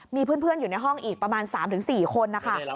มีเพื่อนอยู่ในห้องอีกประมาณ๓๔คนนะคะ